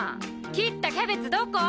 切ったキャベツどこ？